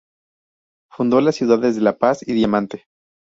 Fundó las ciudades de La Paz y Diamante.